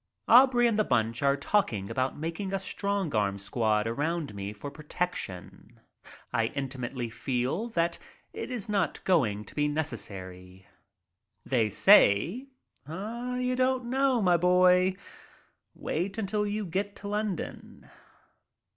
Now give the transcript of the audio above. Aubrey and the bunch are talking about making a strong arm squad around me for protection. I intimately feel that it is not going to be necessary. They say: "Ah, you don't know, my boy. Wait until you get to London."